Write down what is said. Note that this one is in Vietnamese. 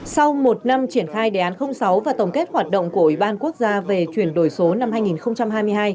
sau một năm triển khai đề án sáu và tổng kết hoạt động của ủy ban quốc gia về chuyển đổi số năm hai nghìn hai mươi hai